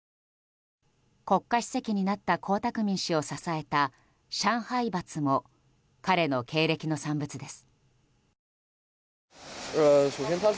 国家主席になった江沢民氏を支えた上海閥も彼の経歴の産物です。